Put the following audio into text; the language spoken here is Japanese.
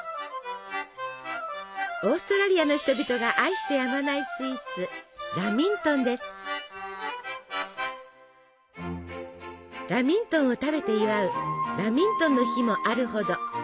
オーストラリアの人々が愛してやまないスイーツラミントンを食べて祝うラミントンの日もあるほど。